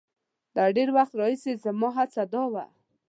له ډېر وخت راهیسې زما هڅه دا وه.